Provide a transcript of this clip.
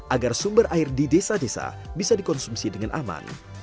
agar sumber air di desa desa bisa dikonsumsi dengan aman